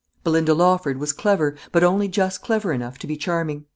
Belinda Lawford was clever; but only just clever enough to be charming.